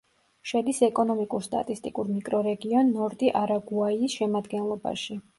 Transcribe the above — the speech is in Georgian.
შედის ეკონომიკურ-სტატისტიკურ მიკრორეგიონ ნორტი-არაგუაიის შემადგენლობაში.